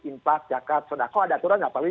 impas jakat sodako ada aturan apalagi